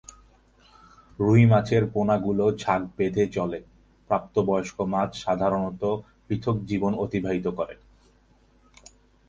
রুই মাছের পোনা গুলো ঝাঁক বেধে চলে, প্রাপ্ত বয়স্ক মাছ সাধারণত পৃথক জীবন অতিবাহিত করে।